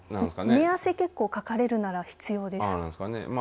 寝汗、結構かかれるなら必要です。